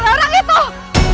terus pointed mielah